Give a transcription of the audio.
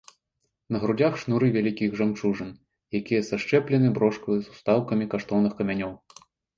На грудзях шнуры вялікіх жамчужын, якія сашчэплены брошкаю з устаўкамі каштоўных камянёў.